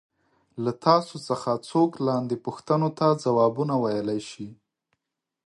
له تاسو څخه څوک لاندې پوښتنو ته ځوابونه ویلای شي.